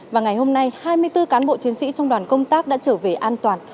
và ngày hôm nay hai mươi bốn cán bộ chiến sĩ trong đoàn công tác đã trở về an toàn